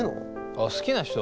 あっ好きな人？